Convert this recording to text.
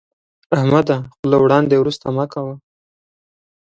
احمده، خوله وړاندې ورسته مه کوه.